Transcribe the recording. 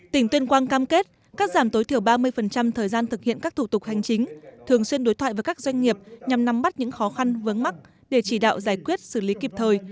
tỉnh tuyên quang cam kết cắt giảm tối thiểu ba mươi thời gian thực hiện các thủ tục hành chính thường xuyên đối thoại với các doanh nghiệp nhằm nắm bắt những khó khăn vướng mắt để chỉ đạo giải quyết xử lý kịp thời